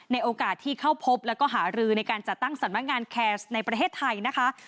ในโอกาสที่เข้าพบและหารือในการจัดตั้งสรรพงานแคสในประเทศไทยนะคะ